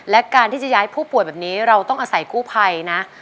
และการที่จะย้ายผู้ป่วยแบบนี้เราต้องอาศัยกู้ภัยนะ